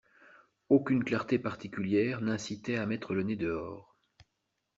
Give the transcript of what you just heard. Aucune clarté particulière n’incitait à mettre le nez dehors.